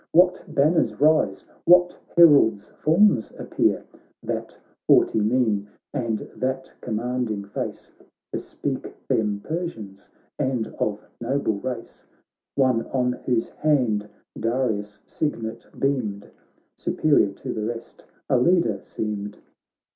What banners rise, what heralds' forms appear ? That haughty mien, and that commanding face Bespeak them Persians, and of noble race ; One on whose hand Darius' signet beamed, Superior to the rest, a leader seemed.